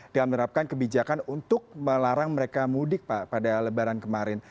dengan menerapkan kebijakan untuk melarang mereka mudik pak pada lebaran kemarin